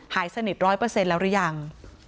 หายสนิท๑๐๐แล้วหรือยัง